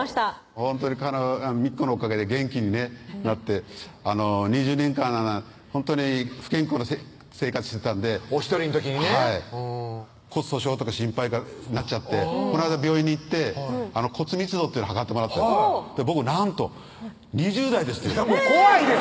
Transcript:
ほんとに美紀子のおかげで元気になって２０年間ほんとに不健康な生活してたんでお独りの時にねはい骨粗鬆とか心配になっちゃってこないだ病院に行って骨密度っていうの計ってもらった僕なんと２０代ですってもう怖いです